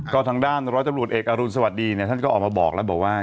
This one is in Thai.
ก็ทางด้านร้อยตำรวจเอกอรุณสวัสดีเนี่ยท่านก็ออกมาบอกแล้วบอกว่า